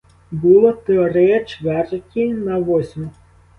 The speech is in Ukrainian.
Було три чверті на восьму.